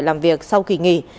làm việc sau kỳ nghỉ